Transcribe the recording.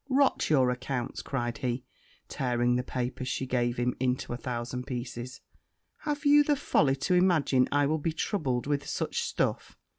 'Rot your accounts!' cried he, tearing the papers she had given him into a thousand pieces; 'have you the folly to imagine I will be troubled with such stuff?